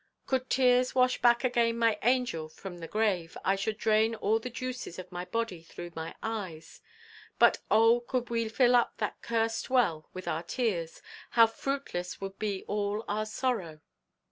could tears wash back again my angel from the grave, I should drain all the juices of my body through my eyes; but oh, could we fill up that cursed well with our tears, how fruitless would be all our sorrow!